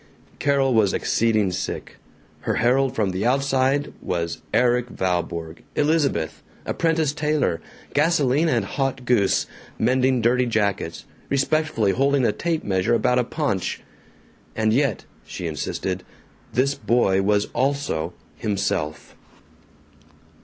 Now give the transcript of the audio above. Carol was exceeding sick. Her herald from the outside was Erik Valborg, "Elizabeth." Apprentice tailor! Gasoline and hot goose! Mending dirty jackets! Respectfully holding a tape measure about a paunch! And yet, she insisted, this boy was also himself.